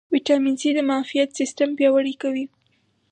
ویټامین سي د معافیت سیستم پیاوړی کوي